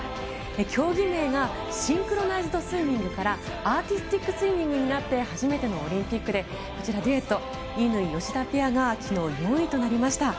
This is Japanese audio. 競技名がシンクロナイズドスイミングからアーティスティックスイミングになって初めてのオリンピックでこちら、デュエット乾・吉田ペアが昨日、４位となりました。